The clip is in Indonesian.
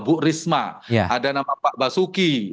bu risma ada nama pak basuki